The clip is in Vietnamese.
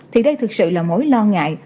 thì đây thực sự là mối lo ngại